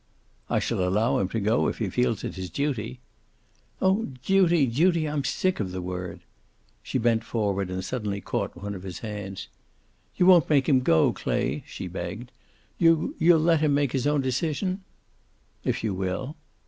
"I shall allow him to go, if he feels it his duty." "Oh, duty, duty! I'm sick of the word." She bent forward and suddenly caught one of his hands. "You won't make him go, Clay?" she begged. "You you'll let him make his own decision?" "If you will."